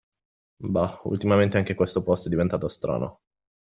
Bah, ultimamente anche questo posto è diventato strano.